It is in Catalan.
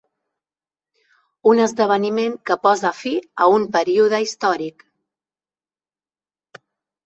Un esdeveniment que posa fi a un període històric.